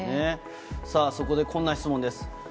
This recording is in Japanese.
さあ、そこでこんな質問です。